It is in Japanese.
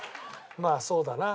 まあそうだな。